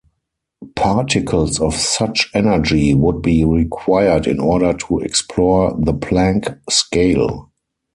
Particles of such energy would be required in order to explore the Planck scale.